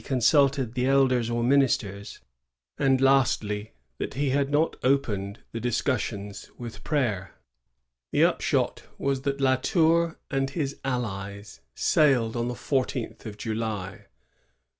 consulted the elders or ministers ; and lastly, that he had not opened the discussion with prayer. The upshot was that La Tour and his allies sailed on the fourteenth of July.